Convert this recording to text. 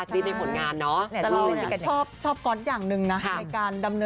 กรี๊ดในผลงานเนาะ